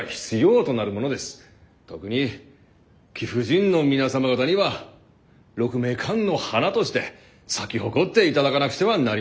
特に貴婦人の皆様方には鹿鳴館の花として咲き誇っていただかなくてはなりません。